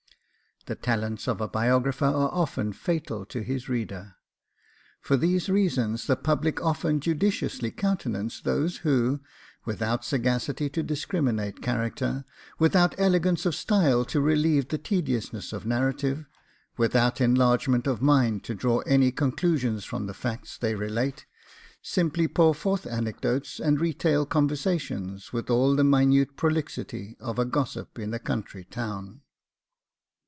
The talents of a biographer are often fatal to his reader. For these reasons the public often judiciously countenance those who, without sagacity to discriminate character, without elegance of style to relieve the tediousness of narrative, without enlargement of mind to draw any conclusions from the facts they relate, simply pour forth anecdotes, and retail conversations, with all the minute prolixity of a gossip in a country town.